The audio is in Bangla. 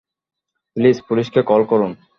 প্লিজ পুলিশকে কল করুন।